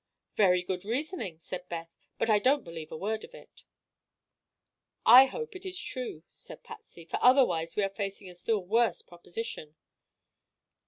"Very good reasoning," said Beth; "but I don't believe a word of it." "I hope it is true," said Patsy, "for otherwise we are facing a still worse proposition."